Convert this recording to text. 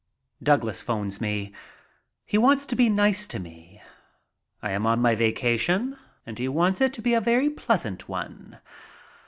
Douglas phones me. He wants to be nice to me. I am on my vacation and he wants it to be a very pleasant one.